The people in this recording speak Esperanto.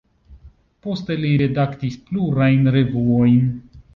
Poste li redaktis plurajn revuojn.